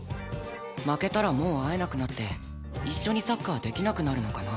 負けたらもう会えなくなって一緒にサッカーできなくなるのかな？